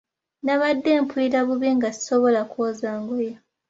Nabadde mpulira bubi nga sisobola kwoza ngoye.